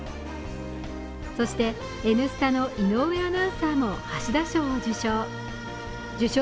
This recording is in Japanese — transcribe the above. そして、「Ｎスタ」の井上アナウンサーも橋田賞を受賞。